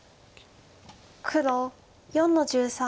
黒４の十三。